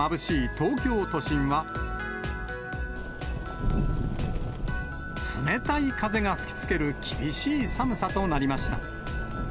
東京都心は、冷たい風が吹きつける厳しい寒さとなりました。